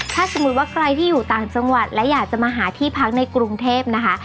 ถ้าสมมุติว่าใครที่อยู่ต่างจังหวัดและอยากจะมาหาที่พักในกรุงเทพนะคะ